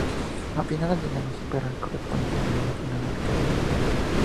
Al final del nivel, nos espera el correspondiente enemigo final al que debemos vencer.